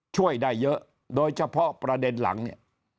ช่วยได้เยอะโดยเฉพาะประเด็นหลังเนี่ย